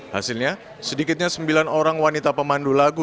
hasilnya sedikitnya sembilan orang wanita pemandu lagu